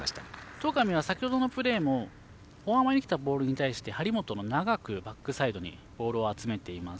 戸上は先ほどのプレーもフォア前にきたボールに対して張本の長くバックサイドにボールを集めています。